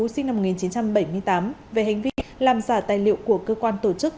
sinh năm một nghìn chín trăm bảy mươi tám về hành vi làm giả tài liệu của cơ quan tổ chức